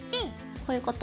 こういうこと？